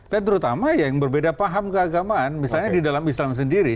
terutama yang berbeda paham keagamaan misalnya di dalam islam sendiri